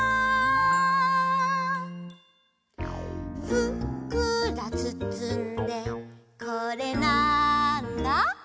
「ふっくらつつんでこれなんだ？」